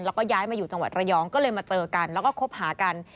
แล้วก็ย้ายมาอยู่จังหวัดระยองก็เลยมาเจอกันแล้วก็คบหากัน